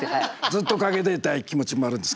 ずっとかけていたい気持ちもあるんですけどね。